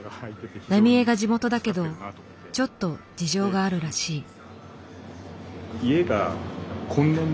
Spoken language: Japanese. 浪江が地元だけどちょっと事情があるらしい。